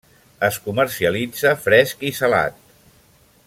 Es comercialitza fresc i salat.